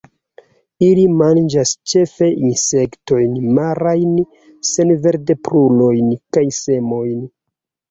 Ili manĝas ĉefe insektojn, marajn senvertebrulojn kaj semojn.